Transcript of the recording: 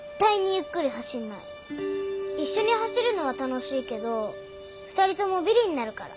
一緒に走るのは楽しいけど２人ともビリになるから。